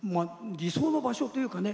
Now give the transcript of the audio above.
理想の場所というかね